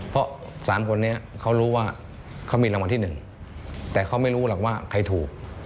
เพราะ๓คนนี้เขารู้ว่าเขามีรางวัลที่๑แต่เขาไม่รู้หรอกว่าใครถูก